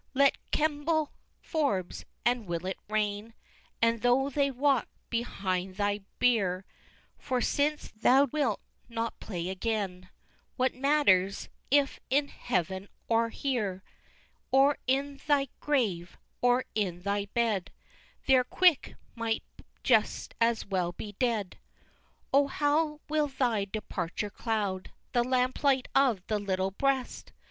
XVI. Let Kemble, Forbes, and Willet rain, As tho' they walk'd behind thy bier, For since thou wilt not play again, What matters, if in heav'n or here! Or in thy grave, or in thy bed! There's Quick might just as well be dead! XVII. Oh, how will thy departure cloud The lamplight of the little breast!